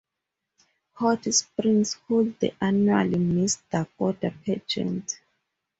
Hot Springs holds the annual Miss South Dakota pageant.